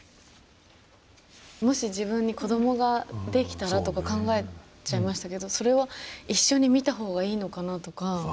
もし自分に子どもができたらとか考えちゃいましたけどそれは一緒に見た方がいいのかな？とか。